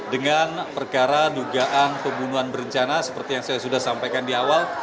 dengan perkara dugaan pembunuhan berencana seperti yang saya sudah sampaikan di awal